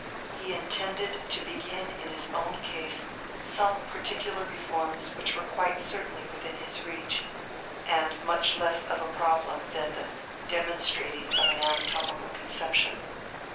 He intended to begin in his own case some particular reforms which were quite certainly within his reach, and much less of a problem than the demonstrating of an anatomical conception.